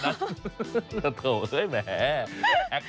โถ่เหรอแมง